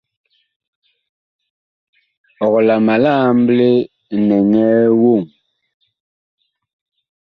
Ɔg la ma li amble nɛŋɛɛ voŋ ?